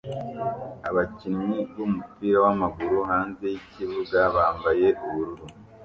Abakinnyi b'umupira w'amaguru hanze yikibuga bambaye ubururu